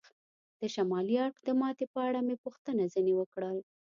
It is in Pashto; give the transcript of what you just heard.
د شمالي اړخ د ماتې په اړه مې پوښتنه ځنې وکړل.